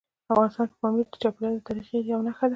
افغانستان کې پامیر د چاپېریال د تغیر یوه نښه ده.